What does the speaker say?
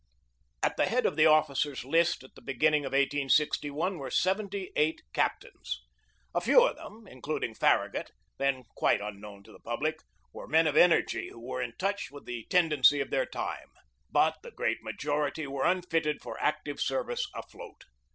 At the head of the officers' list at the beginning of 1861, were seventy eight captains. Afewof them, including Farragut, then quite unknown to the public, were men of energy who were in touch with the ten dency of their time. But the great majority were unfitted for active service afloat.